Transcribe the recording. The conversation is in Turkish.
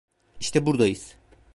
İşte buradayız.